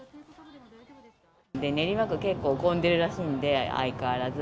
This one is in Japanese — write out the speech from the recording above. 練馬区、結構混んでるらしいんで、相変わらず。